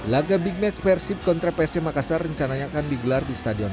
laga big match persib kontra psm makassar rencananya akan digelar di stadion